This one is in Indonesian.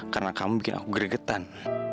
karena kamu bikin aku gregetan